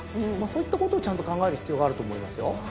そういったことをちゃんと考える必要があると思いますよ。